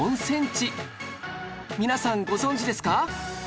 皆さんご存じですか？